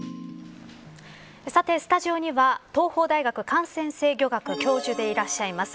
さて、スタジオには東邦大学感染制御学教授でいらっしゃいます。